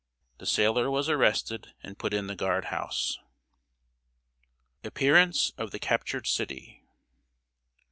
The sailor was arrested and put in the guard house. [Sidenote: APPEARANCE OF THE CAPTURED CITY.